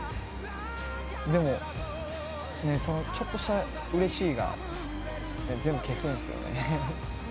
でも、そのちょっとしたうれしいが、全部消すんですよね。